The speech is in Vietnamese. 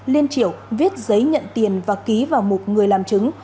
liên triểu viết giấy nhận tiền và ký vào mục người làm chứng